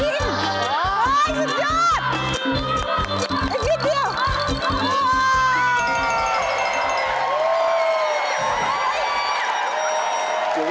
เอ็ดเดียว